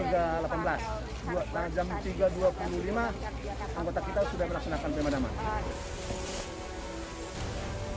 jam tiga dua puluh lima anggota kita sudah melaksanakan pemadaman